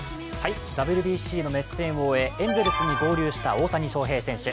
ＷＢＣの熱戦を終え、エンゼルスに合流した大谷翔平選手。